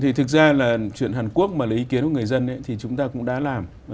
thì thực ra là chuyện hàn quốc mà lấy ý kiến của người dân thì chúng ta cũng đã làm